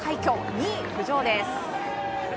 ２位浮上です。